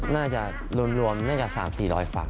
น่าจะรวมน่าจะ๓๔๐๐ฝั่ง